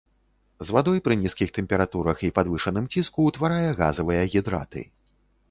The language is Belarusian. З вадой пры нізкіх тэмпературах і падвышаным ціску ўтварае газавыя гідраты.